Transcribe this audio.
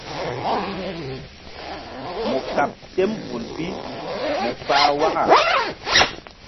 Mu kaɓ tem vul bi mu pah waka.